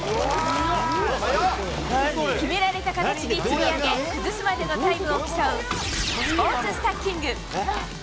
決められた形に積み上げ、崩すまでのタイムを競うスポーツスタッキング。